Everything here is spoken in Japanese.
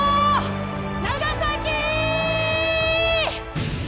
長崎！